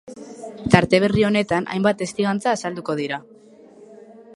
Tarte berri honetan hainbat testigantza azalduko dira.